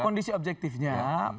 ya kondisi objektifnya